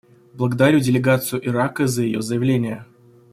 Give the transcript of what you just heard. Благодарю делегацию Ирака за ее заявление.